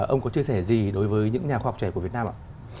ông có chia sẻ gì đối với những nhà khoa học trẻ của việt nam ạ